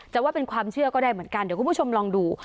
ว่าเป็นความเชื่อก็ได้เหมือนกันเดี๋ยวคุณผู้ชมลองดู